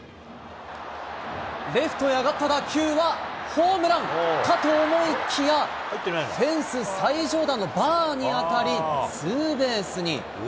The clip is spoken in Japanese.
レフトへ上がった打球はホームランかと思いきや、フェンス最上段のバーに当たり、ツーベースに。